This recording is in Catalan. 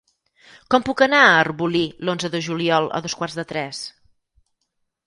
Com puc anar a Arbolí l'onze de juliol a dos quarts de tres?